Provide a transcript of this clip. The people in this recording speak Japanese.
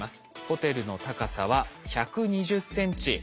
ホテルの高さは１２０センチ。